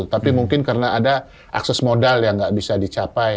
tapi mungkin karena ada akses modal yang nggak bisa dicapai